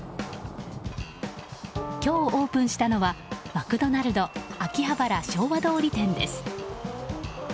今日オープンしたのはマクドナルド秋葉原昭和通り店です。